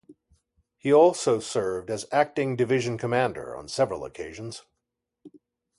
He also served as acting division commander on several occasions.